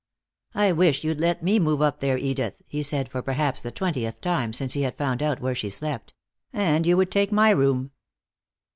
"I wish you'd let me move up there, Edith," he said for perhaps the twentieth time since he had found out where she slept, "and you would take my room."